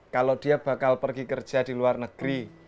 kalau dia bakal pergi kerja di luar negeri